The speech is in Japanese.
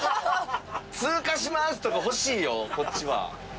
「通過します」とか欲しいよこっちは。